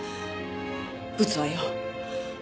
撃つわよ。